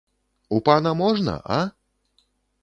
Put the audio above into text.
У пана можна, а?